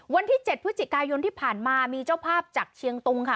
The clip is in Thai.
วันที่๗พฤศจิกายนที่ผ่านมามีเจ้าภาพจากเชียงตุงค่ะ